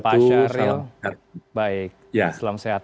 pak syahril baik selamat sehat